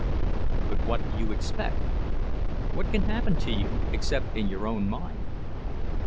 "But what do you expect? What can happen to you, except in your own mind?